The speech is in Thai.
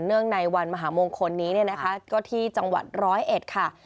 เนื่องในวันมหาโมงคลนี้นะคะก็ที่จังหวัดร้อยเอ็ดค่ะ